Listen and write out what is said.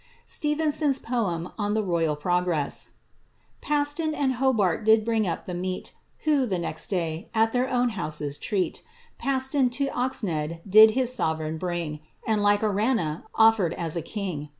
Stxphcnson^s Poem 0!f thi Royal Peogeks^ Paston and Hobart did bring up Uie meat, Who, the next day, at their own houses treat, Paston to Oxnead did his sovereign bring, And, like Arannah, offered as a king.